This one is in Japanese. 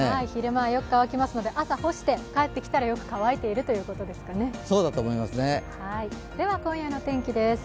昼間はよく乾きますので朝、干して、帰ってきたらよく乾いているということですかね。